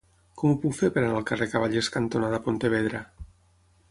Com ho puc fer per anar al carrer Cavallers cantonada Pontevedra?